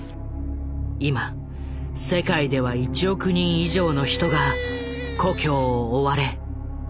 今世界では１億人以上の人が故郷を追われ苦しんでいる。